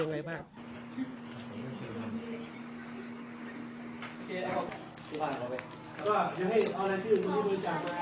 โปรดติดตามตอนต่อไป